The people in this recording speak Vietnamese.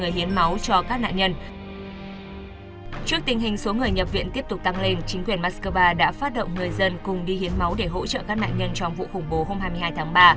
trước tình hình số người nhập viện tiếp tục tăng lên chính quyền moscow đã phát động người dân cùng đi hiến máu để hỗ trợ các nạn nhân trong vụ khủng bố hôm hai mươi hai tháng ba